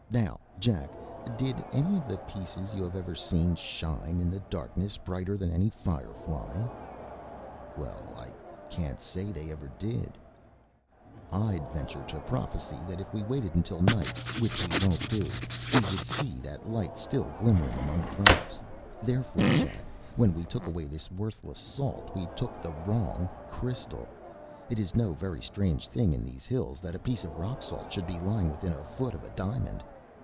Now, Jack, did any of the pieces you have ever seen shine in the darkness brighter than any fire fly?” “Well, I can’t say they ever did.” “I’d venture to prophesy that if we waited until night, which we won’t do, we would see that light still glimmering among the rocks. Therefore, Jack, when we took away this worthless salt, we took the wrong crystal. It is no very strange thing in these hills that a piece of rock salt should be lying within a foot of a diamond.